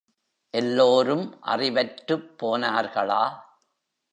எல்லோரும் அறிவற்றுப் போனார்களா?